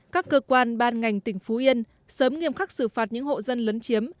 các cơ quan ban ngành tỉnh phú yên sớm nghiêm khắc xử phạt những hộ dân lấn chiếm